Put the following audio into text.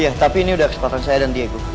iya tapi ini udah kesepakatan saya dan diego